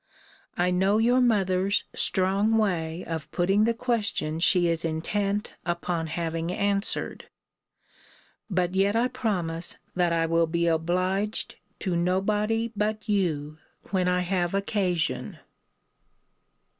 I know your mother's strong way of putting the question she is intent upon having answered. But yet I promise that I will be obliged to nobody but you, when I have occasion.